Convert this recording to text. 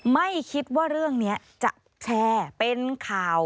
ไม่คิดว่าเรื่องนี้จะแชร์เป็นข่าว